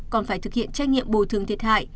còn phải thực hiện trách nhiệm bồi thường thiệt hại